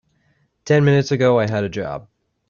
Ten minutes ago I had a job.